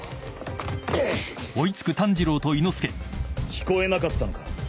聞こえなかったのか？